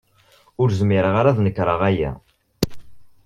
Ur zmireɣ ad nekṛeɣ aya.